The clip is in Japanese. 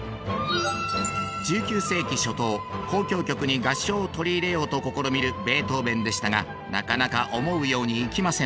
１９世紀初頭交響曲に合唱を取り入れようと試みるベートーヴェンでしたがなかなか思うようにいきません。